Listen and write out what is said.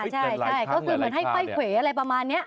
ใช่ใช่ใช่ก็คือเหมือนให้ไข่เข็วอะไรประมาณเนี้ย